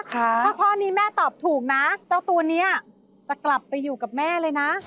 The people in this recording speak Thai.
ถ้าข้อนี้แม่ตอบถูกนะเจ้าตัวนี้จะกลับไปอยู่กับแม่เลยนะ